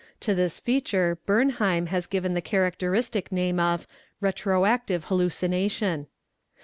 To this feature Bernheim" has given the characteristic name of " retro active hallucination.